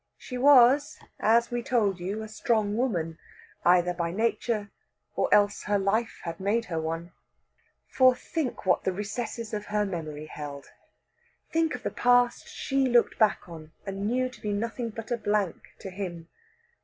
She was, as we told you, a strong woman, either by nature, or else her life had made her one. For, think of what the recesses of her memory held; think of the past she looked back on, and knew to be nothing but a blank to him.